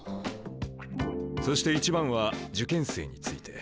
そして一番は受験生について。